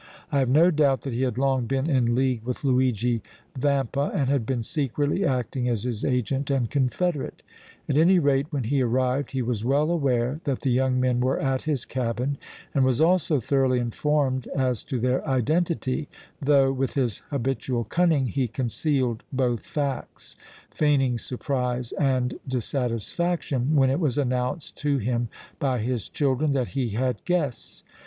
I have no doubt that he had long been in league with Luigi Vampa and had been secretly acting as his agent and confederate. At any rate, when he arrived he was well aware that the young men were at his cabin and was also thoroughly informed as to their identity, though, with his habitual cunning, he concealed both facts, feigning surprise and dissatisfaction when it was announced to him by his children that he had guests.